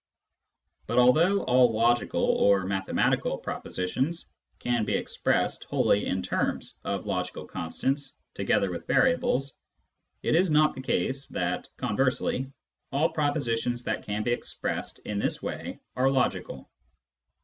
But although all logical (or mathematical) propositions can be expressed wholly in terms of logical constants together with variables, it is not the case that, conversely, all propositions that can be expressed in this way are logical.